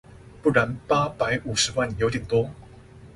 不然八百五十萬有點多